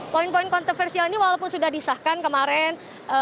poin poin kontroversial ini walaupun sudah disahkan kemarin